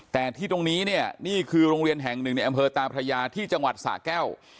แต่ที่ตรงนี้เนี่ยนี่คือโรงเรียนแห่งหนึ่งในอำเภอตาพระยาที่จังหวัดสะแก้ว